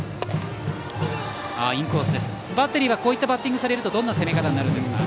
バッテリーは、こういったバッティングをされるとどんな攻め方になるんですか？